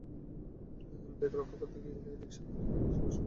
Bag রক্ষা করতে গিয়ে রিকশার মধ্যে নিজের ভারসাম্য রক্ষা করতে পারিনি।